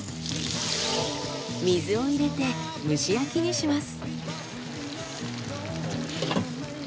水を入れて蒸し焼きにします。